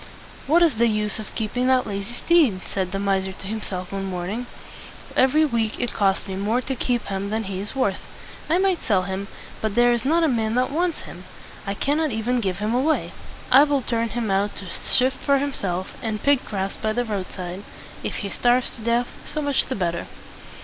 "What is the use of keeping that lazy steed?" said the miser to himself one morning. "Every week it costs me more to keep him than he is worth. I might sell him; but there is not a man that wants him. I cannot even give him away. I will turn him out to shift for himself, and pick grass by the roadside. If he starves to death, so much the better."